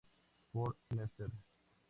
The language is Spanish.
For Mrs.